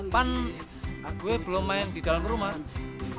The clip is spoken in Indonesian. pan gue belum main di dalam rumah